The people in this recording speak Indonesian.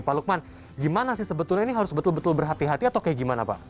pak lukman gimana sih sebetulnya ini harus betul betul berhati hati atau kayak gimana pak